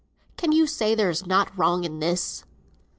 Can you say there's nought wrong in this?"